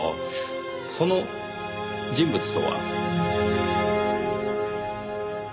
その人物とは。